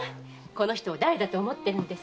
この人を誰だと思ってるんです？